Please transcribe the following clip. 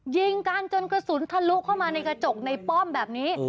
ยิงกันจนกระสุนทะลุเข้ามาในกระจกในป้อมแบบนี้